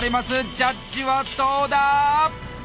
ジャッジはどうだ！